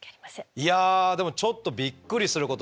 いやでもちょっとびっくりすることの連続で。